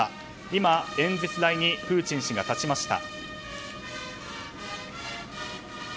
今、演説台にプーチン氏が立ちました。